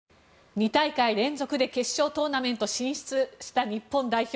２大会連続で決勝トーナメント進出した日本。